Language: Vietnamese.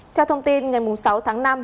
theo thông tin ngày sáu tháng năm